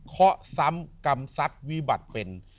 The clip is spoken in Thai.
ขี่สำกรรมศักดิ์วิบัติเป็น